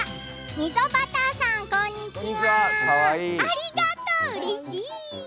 ありがとう、うれしい。